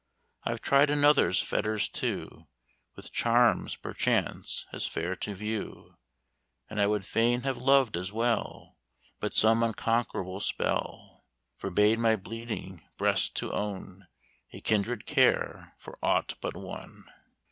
"I've tried another's fetters too, With charms, perchance, as fair to view; And I would fain have loved as well, But some unconquerable spell Forbade my bleeding breast to own A kindred care for aught but one.